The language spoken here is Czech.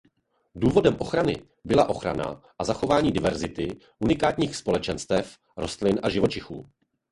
Důvodem ochrany byla ochrana a zachování diverzity unikátních společenstev rostlin a živočichů.